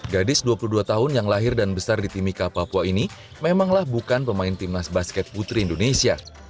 gadis dua puluh dua tahun yang lahir dan besar di timika papua ini memanglah bukan pemain timnas basket putri indonesia